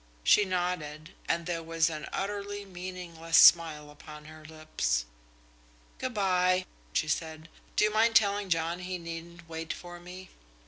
She nodded, and there was an utterly meaningless smile upon her lips. "Good by!" she said. "Do you mind telling John he needn't wait for me?"